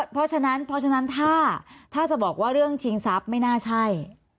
เพราะฉะนั้นถ้าจะบอกว่าเรื่องชิงทรัพย์ไม่น่าใช่